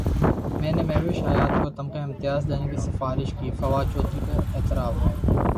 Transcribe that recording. میں نے مہوش حیات کو تمغہ امتیاز دینے کی سفارش کی فواد چوہدری کا اعتراف